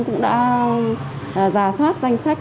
cũng đã giả soát danh sách